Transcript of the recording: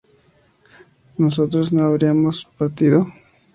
¿nosotras no habríamos partido?